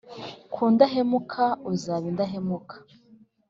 Ku ndahemuka uzaba indahemuka